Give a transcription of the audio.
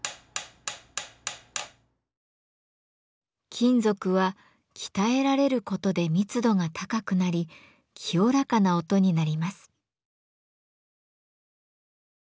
金属は鍛えられることで密度が高くなり清らかな音になります。